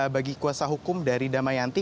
bagi kuasa hukum dari damayanti